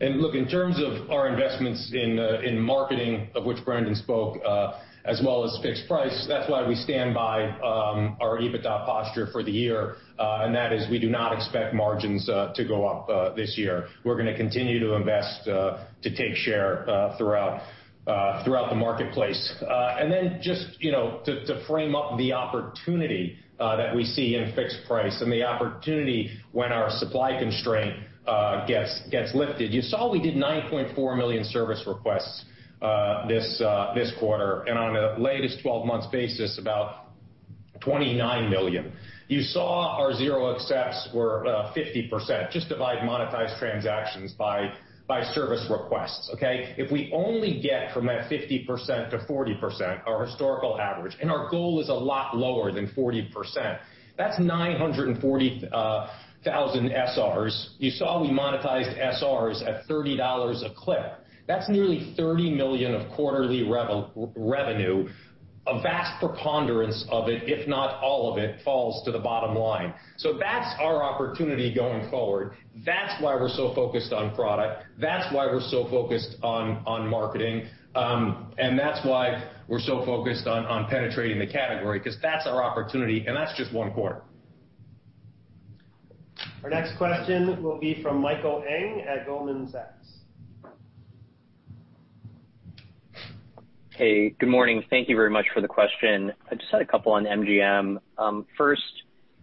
Look, in terms of our investments in marketing, of which Brandon spoke, as well as fixed price, that's why we stand by our EBITDA posture for the year. That is, we do not expect margins to go up this year. We're going to continue to invest to take share throughout the marketplace. Just to frame up the opportunity that we see in fixed price and the opportunity when our supply constraint gets lifted, you saw we did 9.4 million service requests this quarter. On a latest 12 months basis, about 29 million. You saw our zero accepts were 50%. Just divide monetized transactions by service requests, okay? If we only get from that 50% to 40%, our historical average, our goal is a lot lower than 40%, that's 940,000 SRs. You saw we monetized SRs at $30 a clip. That's nearly $30 million of quarterly revenue, a vast preponderance of it, if not all of it, falls to the bottom line. That's our opportunity going forward. That's why we're so focused on product. That's why we're so focused on marketing. That's why we're so focused on penetrating the category, because that's our opportunity, and that's just one quarter. Our next question will be from Michael Ng at Goldman Sachs. Hey, good morning. Thank you very much for the question. I just had a couple on MGM. First,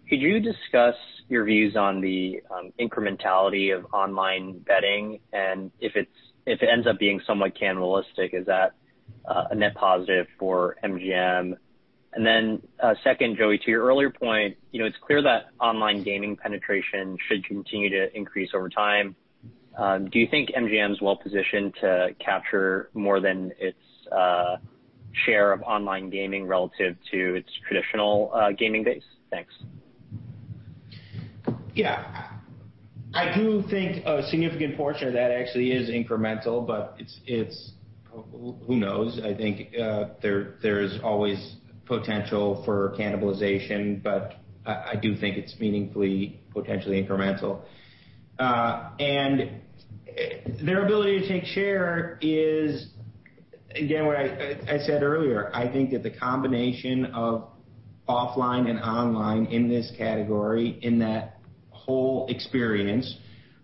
could you discuss your views on the incrementality of online betting, and if it ends up being somewhat cannibalistic, is that a net positive for MGM? Then, second, Joey, to your earlier point, it's clear that online gaming penetration should continue to increase over time. Do you think MGM's well-positioned to capture more than its share of online gaming relative to its traditional gaming base? Thanks. Yeah. I do think a significant portion of that actually is incremental, but who knows? I think there's always potential for cannibalization, but I do think it's meaningfully potentially incremental. Their ability to take share is, again, what I said earlier, I think that the combination of offline and online in this category, in that whole experience,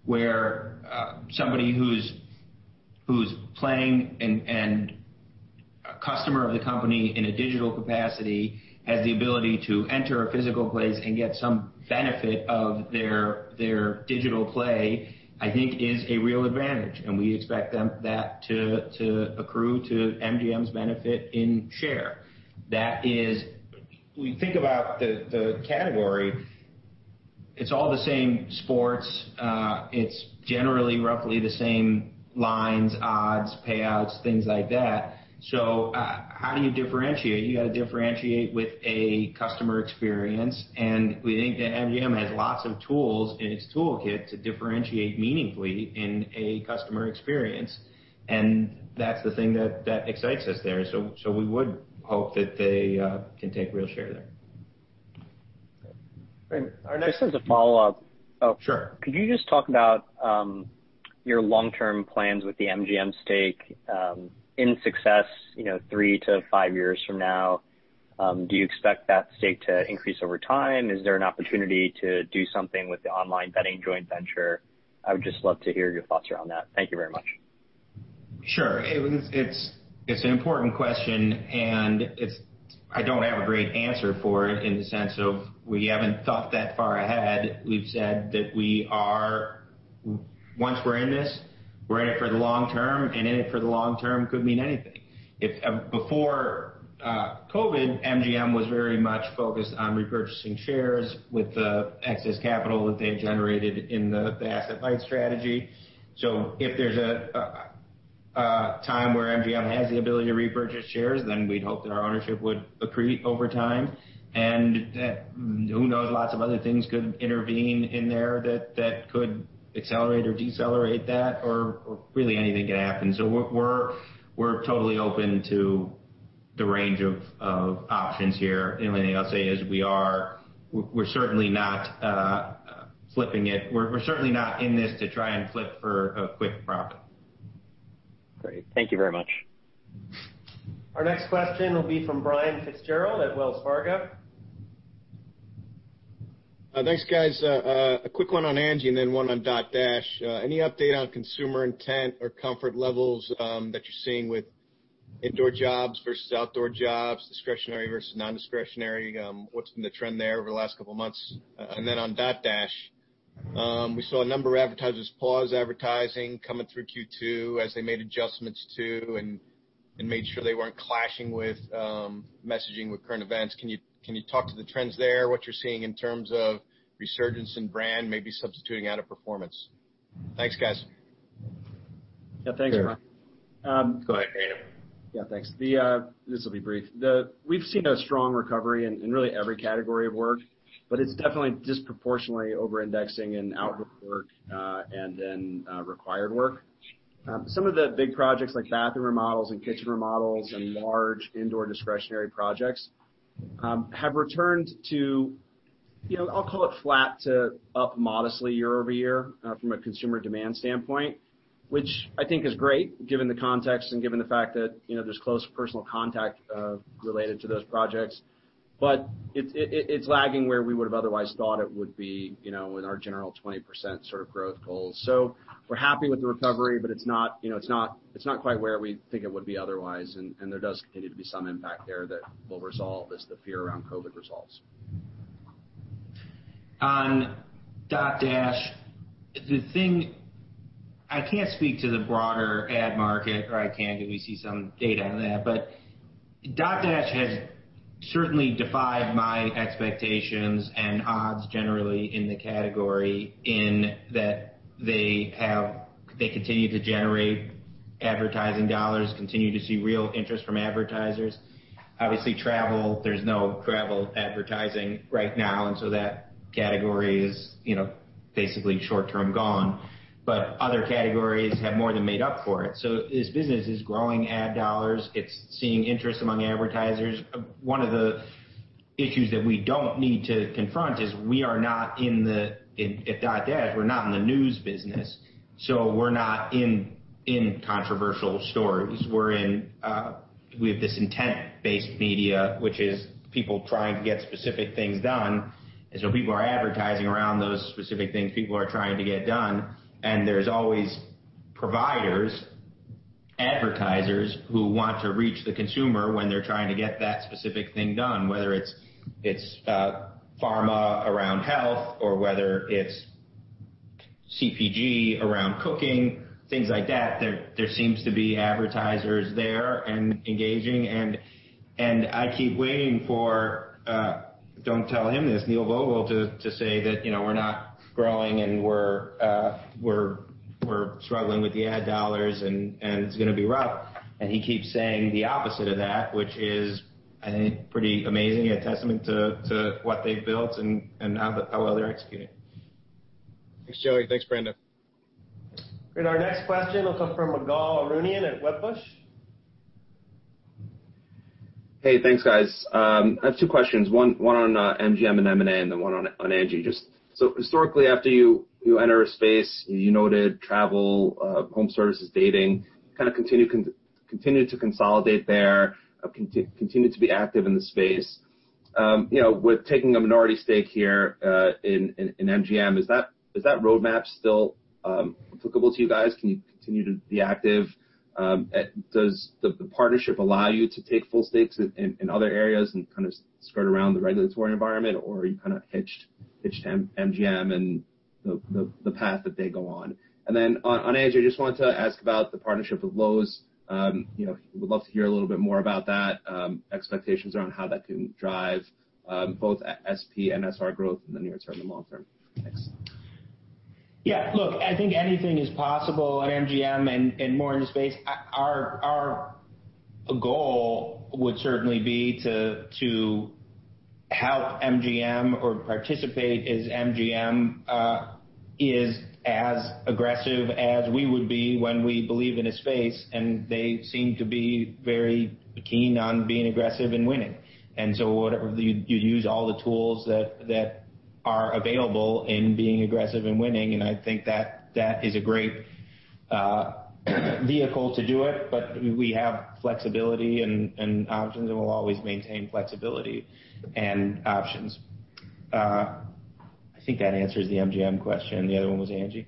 where somebody who's playing and a customer of the company in a digital capacity has the ability to enter a physical place and get some benefit of their digital play, I think is a real advantage. We expect that to accrue to MGM's benefit in share. That is, when you think about the category, it's all the same sports. It's generally roughly the same lines, odds, payouts, things like that. How do you differentiate? You got to differentiate with a customer experience. We think that MGM has lots of tools in its toolkit to differentiate meaningfully in a customer experience. That's the thing that excites us there. We would hope that they can take real share there. Great. Our next- Just as a follow-up. Sure. Could you just talk about your long-term plans with the MGM stake in success, three to five years from now? Do you expect that stake to increase over time? Is there an opportunity to do something with the online betting joint venture? I would just love to hear your thoughts around that. Thank you very much. Sure. It's an important question, and I don't have a great answer for it in the sense of we haven't thought that far ahead. We've said that once we're in this, we're in it for the long term, and in it for the long term could mean anything. Before COVID, MGM was very much focused on repurchasing shares with the excess capital that they had generated in the asset-light strategy. If there's a time where MGM has the ability to repurchase shares, then we'd hope that our ownership would accrete over time. Who knows, lots of other things could intervene in there that could accelerate or decelerate that, or really anything could happen. We're totally open to the range of options here. The only thing I'll say is we're certainly not flipping it. We're certainly not in this to try and flip for a quick profit. Great. Thank you very much. Our next question will be from Brian Fitzgerald at Wells Fargo. Thanks, guys. A quick one on ANGI and then one on Dotdash. Any update on consumer intent or comfort levels that you're seeing with indoor jobs versus outdoor jobs, discretionary versus non-discretionary? What's been the trend there over the last couple of months? Then on Dotdash, we saw a number of advertisers pause advertising coming through Q2 as they made adjustments too and made sure they weren't clashing with messaging with current events. Can you talk to the trends there, what you're seeing in terms of resurgence in brand, maybe substituting out a performance? Thanks, guys. Yeah. Thanks, Brian. Go ahead, Adam. Yeah, thanks. This will be brief. We've seen a strong recovery in really every category of work. It's definitely disproportionately over-indexing in outdoor work and then required work. Some of the big projects like bathroom remodels and kitchen remodels and large indoor discretionary projects have returned to, I'll call it flat to up modestly year-over-year from a consumer demand standpoint. Which I think is great given the context and given the fact that there's close personal contact related to those projects. It's lagging where we would've otherwise thought it would be in our general 20% sort of growth goals. We're happy with the recovery, but it's not quite where we think it would be otherwise. There does continue to be some impact there that will resolve as the fear around COVID resolves. On Dotdash, I can't speak to the broader ad market, or I can because we see some data on that. Dotdash has certainly defied my expectations and odds generally in the category in that they continue to generate advertising dollars, continue to see real interest from advertisers. Obviously, travel, there's no travel advertising right now. That category is basically short-term gone. Other categories have more than made up for it. This business is growing ad dollars. It's seeing interest among advertisers. One of the issues that we don't need to confront is we are not, at Dotdash, we're not in the news business. We're not in controversial stories. We have this intent-based media, which is people trying to get specific things done. People are advertising around those specific things people are trying to get done. There's always providers, advertisers who want to reach the consumer when they're trying to get that specific thing done, whether it's pharma around health or whether it's CPG around cooking, things like that. There seems to be advertisers there and engaging. I keep waiting for, don't tell him this, Neil Vogel to say that we're not growing and we're struggling with the ad dollars and it's going to be rough. He keeps saying the opposite of that, which is, I think, pretty amazing. A testament to what they've built and how well they're executing. Thanks, Joey. Thanks, Brandon. Great. Our next question will come from Ygal Arounian at Wedbush. Hey, thanks, guys. I have two questions. One on MGM and M&A, one on ANGI. Historically, after you enter a space, you noted travel, home services, dating, kind of continue to consolidate there, continue to be active in the space. With taking a minority stake here in MGM, is that roadmap still applicable to you guys? Can you continue to be active? Does the partnership allow you to take full stakes in other areas and kind of skirt around the regulatory environment? Are you kind of hitched MGM and the path that they go on? On ANGI, I just wanted to ask about the partnership with Lowe's. Would love to hear a little bit more about that, expectations around how that can drive both SP and SR growth in the near term and long term. Thanks. Yeah, look, I think anything is possible at MGM and more in the space. Our goal would certainly be to help MGM or participate as MGM is as aggressive as we would be when we believe in a space, and they seem to be very keen on being aggressive and winning. You use all the tools that are available in being aggressive and winning, and I think that is a great vehicle to do it. We have flexibility and options, and we'll always maintain flexibility and options. I think that answers the MGM question. The other one was ANGI?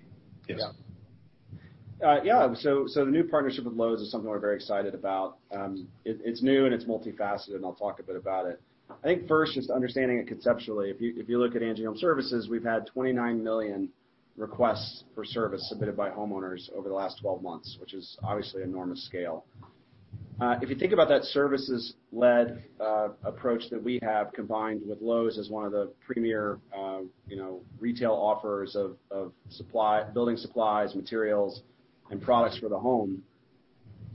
Yes. Yeah. Yeah. The new partnership with Lowe's is something we're very excited about. It's new and it's multifaceted, and I'll talk a bit about it. I think first, just understanding it conceptually. If you look at ANGI Homeservices, we've had 29 million requests for service submitted by homeowners over the last 12 months, which is obviously enormous scale. If you think about that services-led approach that we have combined with Lowe's as one of the premier retail offers of building supplies, materials, and products for the home,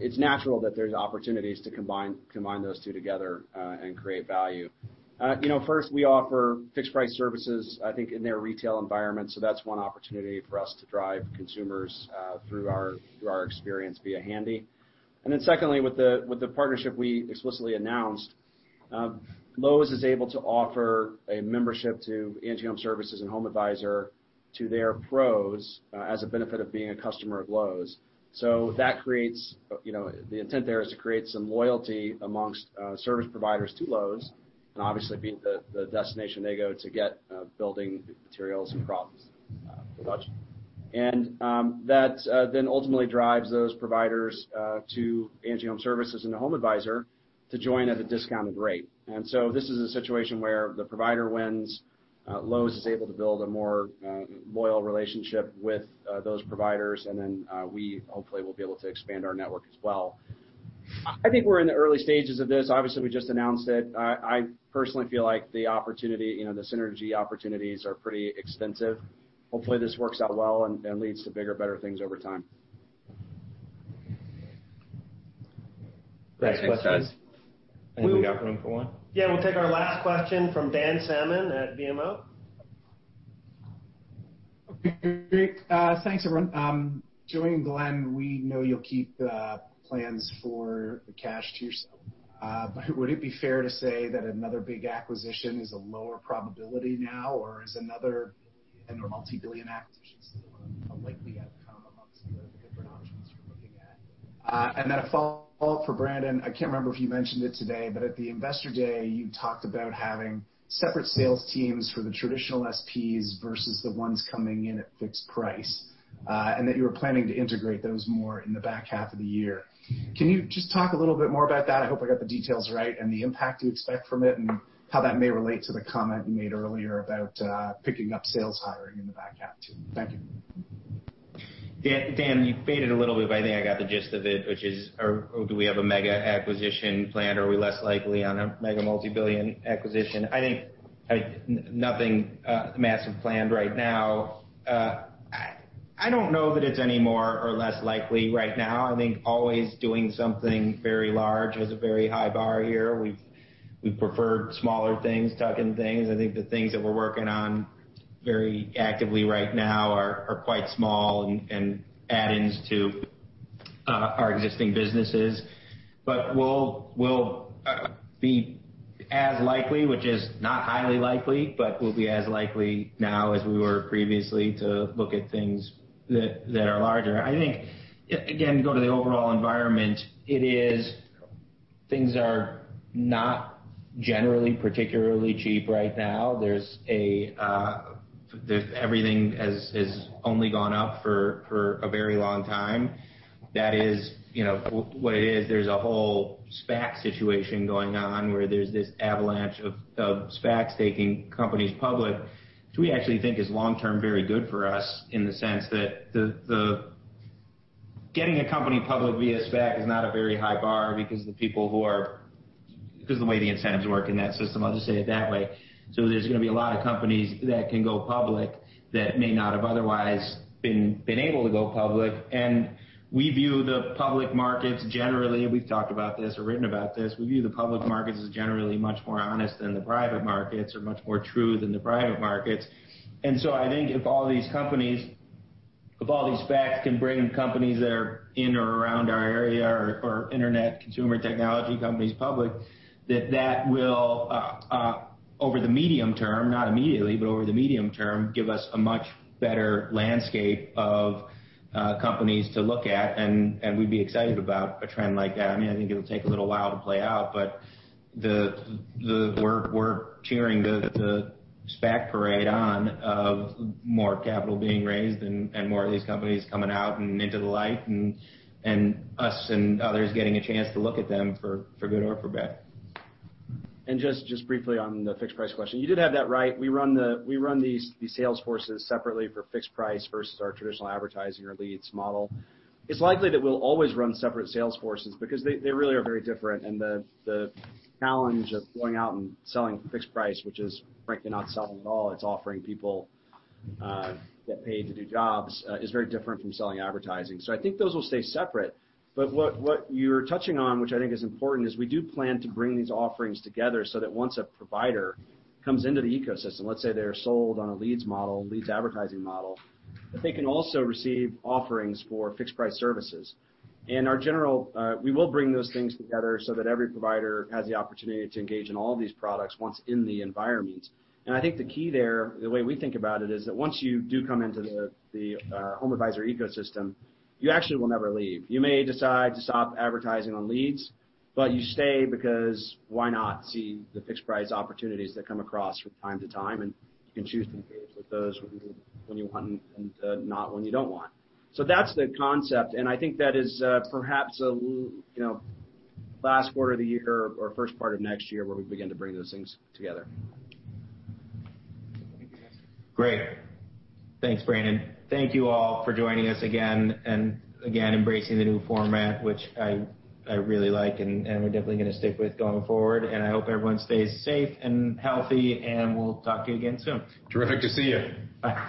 it's natural that there's opportunities to combine those two together and create value. First, we offer fixed price services, I think, in their retail environment. That's one opportunity for us to drive consumers through our experience via Handy. Secondly, with the partnership we explicitly announced, Lowe's is able to offer a membership to ANGI Homeservices and HomeAdvisor to their pros as a benefit of being a customer of Lowe's. The intent there is to create some loyalty amongst service providers to Lowe's, and obviously, be the destination they go to get building materials and products for projects. Ultimately drives those providers to ANGI Homeservices and HomeAdvisor to join at a discounted rate. This is a situation where the provider wins, Lowe's is able to build a more loyal relationship with those providers, and then we hopefully will be able to expand our network as well. I think we're in the early stages of this. Obviously, we just announced it. I personally feel like the synergy opportunities are pretty extensive. Hopefully, this works out well and leads to bigger, better things over time. Great. Thanks, guys. I think we got room for one. Yeah, we'll take our last question from Dan Salmon at BMO. Okay, great. Thanks, everyone. Joey and Glenn, we know you'll keep the plans for the cash to yourself. Would it be fair to say that another big acquisition is a lower probability now, or is another multi-billion acquisition still a likely outcome amongst the different options you're looking at? A follow-up for Brandon. I can't remember if you mentioned it today, but at the Investor Day, you talked about having separate sales teams for the traditional SPs versus the ones coming in at fixed price, and that you were planning to integrate those more in the back half of the year. Can you just talk a little bit more about that? I hope I got the details right, and the impact you expect from it, and how that may relate to the comment you made earlier about picking up sales hiring in the back half, too. Thank you. Dan, you faded a little bit, but I think I got the gist of it, which is, do we have a mega acquisition planned, or are we less likely on a mega multi-billion acquisition? I think nothing massive planned right now. I don't know that it's any more or less likely right now. I think always doing something very large has a very high bar here. We've preferred smaller things, tuck-in things. I think the things that we're working on very actively right now are quite small and add-ins to our existing businesses. We'll be as likely, which is not highly likely, but we'll be as likely now as we were previously to look at things that are larger. I think, again, you go to the overall environment, things are not generally particularly cheap right now. Everything has only gone up for a very long time. That is what it is. There's a whole SPAC situation going on where there's this avalanche of SPACs taking companies public, which we actually think is long-term very good for us in the sense that the getting a company public via SPAC is not a very high bar because the way the incentives work in that system, I'll just say it that way. There's going to be a lot of companies that can go public that may not have otherwise been able to go public. We view the public markets generally, we've talked about this or written about this, we view the public markets as generally much more honest than the private markets or much more true than the private markets. I think if all these SPACs can bring companies that are in or around our area or internet consumer technology companies public, that will, over the medium term, not immediately, but over the medium term, give us a much better landscape of companies to look at, and we'd be excited about a trend like that. I think it'll take a little while to play out, but we're cheering the SPAC parade on of more capital being raised and more of these companies coming out and into the light and us and others getting a chance to look at them for good or for bad. Just briefly on the fixed price question. You did have that right. We run these sales forces separately for fixed price versus our traditional advertising or leads model. It's likely that we'll always run separate sales forces because they really are very different, and the challenge of going out and selling fixed price, which is frankly not selling at all, it's offering people get paid to do jobs, is very different from selling advertising. I think those will stay separate. What you're touching on, which I think is important, is we do plan to bring these offerings together so that once a provider comes into the ecosystem, let's say they're sold on a leads advertising model, that they can also receive offerings for fixed price services. We will bring those things together so that every provider has the opportunity to engage in all of these products once in the environment. I think the key there, the way we think about it, is that once you do come into the HomeAdvisor ecosystem, you actually will never leave. You may decide to stop advertising on leads, but you stay because why not see the fixed price opportunities that come across from time to time, and you can choose to engage with those when you want and not when you don't want. That's the concept, and I think that is perhaps last quarter of the year or first part of next year where we begin to bring those things together. Thank you, guys. Great. Thanks, Brandon. Thank you all for joining us again, and again, embracing the new format, which I really like and we're definitely going to stick with going forward. I hope everyone stays safe and healthy, and we'll talk to you again soon. Terrific to see you. Bye.